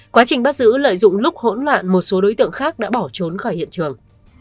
quá trình bắt giữ lợi dụng lúc hỗn loạn một số đối tượng khác đã bỏ trốn khỏi hiện trường